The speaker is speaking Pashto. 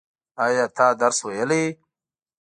ایا ته درس ویلی؟